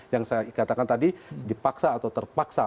yang saya katakan tadi dipaksa atau terpaksa